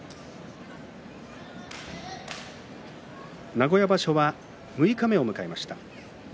名古屋場所は六日目を迎えました。